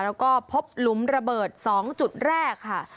แล้วก็พบหลุมระเบิด๒จุดแรกค่ะ